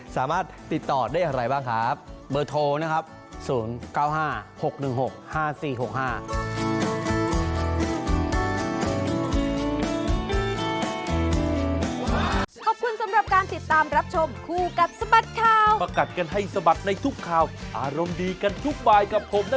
สามารถติดต่อได้อะไรบ้างครับ